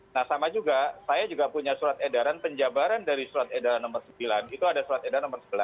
nah sama juga saya juga punya surat edaran penjabaran dari surat edaran nomor sembilan itu ada surat edaran nomor sebelas